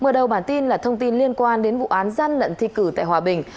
mở đầu bản tin là thông tin liên quan đến vụ án gian lận thi cử tại hòa bình